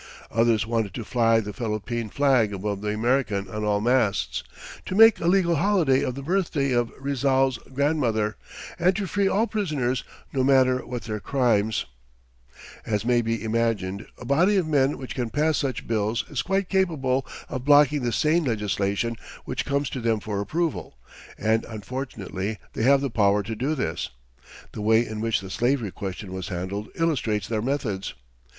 Others wanted to fly the Philippine flag above the American on all masts, to make a legal holiday of the birthday of Rizal's grandmother, and to free all prisoners, no matter what their crimes. [Illustration: OSMEÑA, THE SPEAKER OF THE FIRST ASSEMBLY.] As may be imagined, a body of men which can pass such bills is quite capable of blocking the sane legislation which comes to them for approval, and unfortunately they have the power to do this. The way in which the slavery question was handled illustrates their methods.